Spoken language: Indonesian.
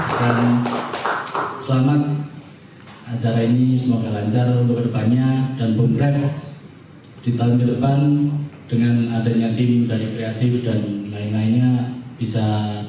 saya selamat acara ini semoga lancar untuk kedepannya dan kongres di tahun ke depan dengan adanya tim dari kreatif dan lain lainnya bisa